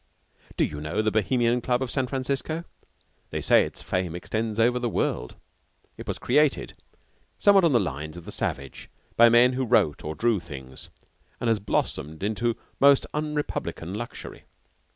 Do you know the Bohemian Club of San Francisco? They say its fame extends over the world. It was created, somewhat on the lines of the Savage, by men who wrote or drew things, and has blossomed into most unrepublican luxury.